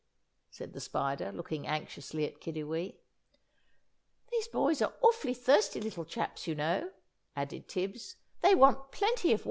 said the Spider, looking anxiously at Kiddiwee. "These boys are awfully thirsty little chaps, you know," added Tibbs; "they want plenty of water."